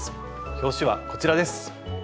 表紙はこちらです。